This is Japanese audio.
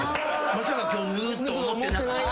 まさか今日脱ぐと思ってなかった。